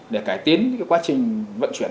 để cải tiến quá trình vận chuyển